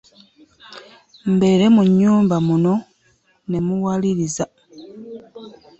Mbere munyumba muno nemuwaliriza.